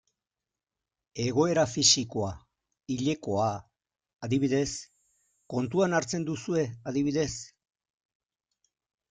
Egoera fisikoa, hilekoa, adibidez, kontuan hartzen duzue adibidez?